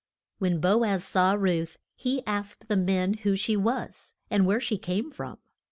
When Bo az saw Ruth he asked the men who she was, and where she came from.